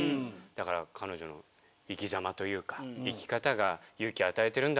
だから彼女の生きざまというか生き方が勇気を与えてるんだなって